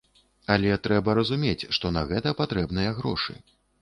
Але трэба разумець, што на гэта патрэбныя грошы.